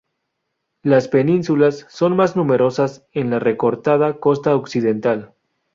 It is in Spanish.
Las penínsulas son más numerosas en la recortada costa occidental.